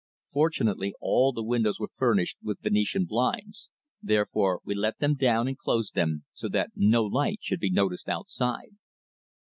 Fortunately all the windows were furnished with Venetian blinds, therefore we let them down and closed them, so that no light should be noticed outside.